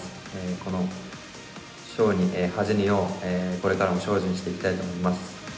この賞に恥じぬよう、これからも精進していきたいと思います。